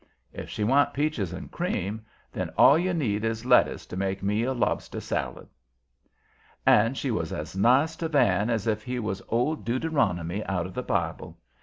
If she wa'n't peaches and cream, then all you need is lettuce to make me a lobster salad. And she was as nice to Van as if he was old Deuteronomy out of the Bible.